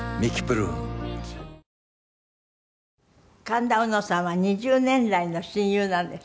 神田うのさんは２０年来の親友なんですって？